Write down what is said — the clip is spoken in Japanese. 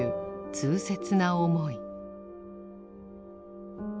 痛切な思い。